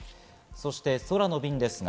そして空の便です。